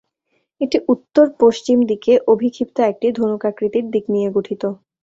এটি উত্তর-পশ্চিম দিকে অভিক্ষিপ্ত একটি ধনুকাকৃতির দিক নিয়ে গঠিত।